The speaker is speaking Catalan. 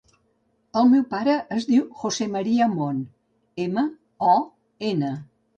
El meu pare es diu José maria Mon: ema, o, ena.